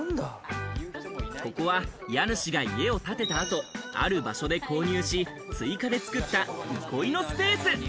ここは家主が家を建てた後、ある場所で購入し、追加で作った憩いのスペース。